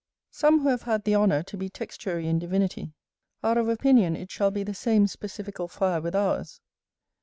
Some who have had the honour to be textuary in divinity are of opinion it shall be the same specifical fire with ours.